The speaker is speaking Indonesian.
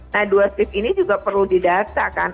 nah dua shift ini juga perlu didata kan